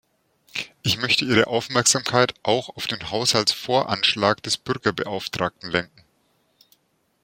Ich möchte Ihre Aufmerksamkeit auch auf den Haushaltsvoranschlag des Bürgerbeauftragten lenken.